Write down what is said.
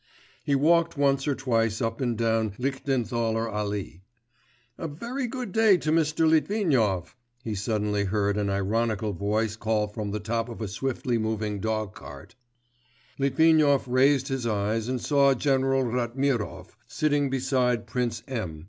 He walked once or twice up and down Lichtenthaler Allee. 'A very good day to Mr. Litvinov!' he suddenly heard an ironical voice call from the top of a swiftly moving 'dogcart.' Litvinov raised his eyes and saw General Ratmirov sitting beside Prince M.